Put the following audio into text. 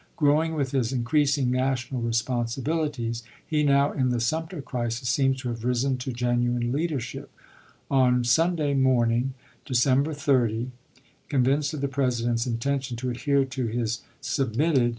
Growing with his increasing national responsibilities he now, in the Sumter crisis, seems to have risen to genuine leadership. On Sunday morning, December 30, convinced of the President's intention to adhere to his submitted 80 ABKAHAM LINCOLN Ibid., pp. 14 and 17. chap.